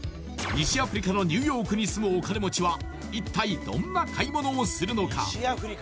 西アフリカのニューヨークに住むお金持ちは一体どんな買い物をするのか？